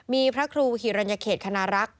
มีพระครูฮิรัญเขตคณรักษ